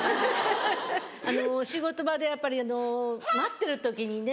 仕事場でやっぱり待ってる時にね